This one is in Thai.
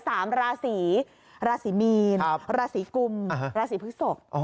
สามราศีราศีมีนราศีกุมราศีพฤศพ